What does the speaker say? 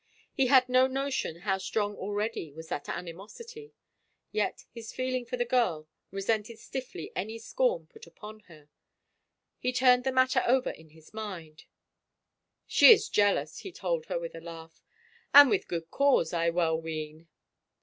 He had no notion how strong already was that animosity. Yet his feeling for the girl resented stiffly any scorn put upon her. He turned the matter over in his mind. " She is jealous," he told her, with a laugh, " and with good cause, I well ween."